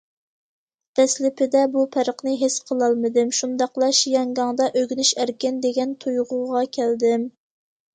دەسلىپىدە، بۇ پەرقنى ھېس قىلالمىدىم، شۇنداقلا شياڭگاڭدا ئۆگىنىش ئەركىن دېگەن تۇيغۇغا كەلدىم.